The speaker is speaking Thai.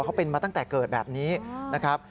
เขาเป็นมาตั้งแต่เกิดแบบนี้นะครับ